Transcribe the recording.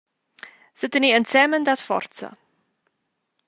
Setener ensemen dat forza!